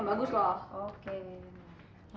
lihat mustahak bagus lho